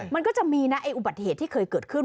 มันก็จะมีนะไอ้อุบัติเหตุที่เคยเกิดขึ้น